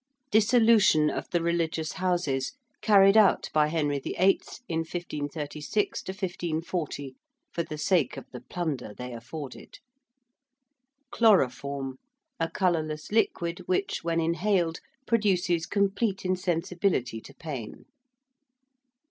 ~Dissolution of the religious houses~, carried out by Henry VIII. in 1536 1540 for the sake of the plunder they afforded. ~Chloroform~: a colourless liquid which when inhaled produces complete insensibility to pain.